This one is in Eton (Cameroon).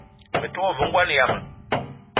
Me te wa ve ngoan yama.